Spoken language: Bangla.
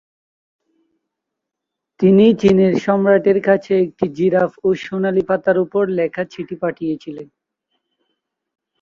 তিনি চীনের সম্রাটের কাছে একটি জিরাফ ও সোনালি পাতার উপর লেখা চিঠি পাঠিয়েছিলেন।